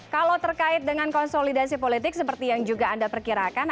kalau terkait dengan konsolidasi politik seperti yang juga anda perkirakan